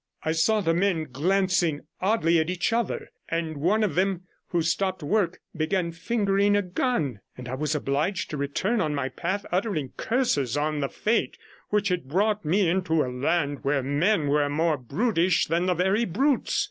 I saw the men glancing oddly at each other; and one of them, who stopped work, began fingering a gun, and I was obliged to return on my path uttering curses on the fate which had brought me into a land where men were more brutish than the very brutes.